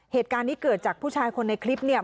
เหตุการณ์นี้เกิดจากผู้ชายคนในคลิปเนี่ย